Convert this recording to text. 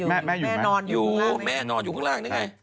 แม่นอนอยู่ข้างล่างแม่นอนอยู่ข้างล่างนี่ไง